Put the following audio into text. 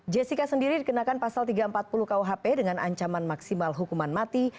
jessica sendiri dikenakan pasal tiga ratus empat puluh kuhp dengan ancaman maksimal hukuman mati